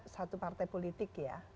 satu partai politik ya